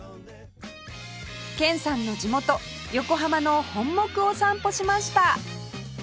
剣さんの地元横浜の本牧を散歩しました